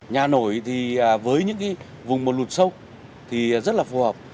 nhà nổi thì với những vùng một lụt sâu thì rất là phù hợp